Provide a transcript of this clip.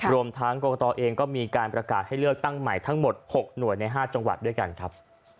รวมทั้งกรกตเองก็มีการประกาศให้เลือกตั้งใหม่ทั้งหมด๖หน่วยใน๕จังหวัดด้วยกันครับ